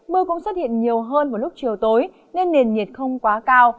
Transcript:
mưa cũng xuất hiện nhiều hơn vào lúc chiều tối nên nền nhiệt không quá cao